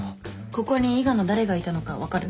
ここに伊賀の誰がいたのか分かる？